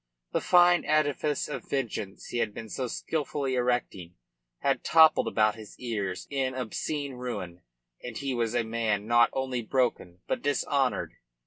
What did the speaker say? The fine edifice of vengeance he had been so skilfully erecting had toppled about his ears in obscene ruin, and he was a man not only broken, but dishonoured.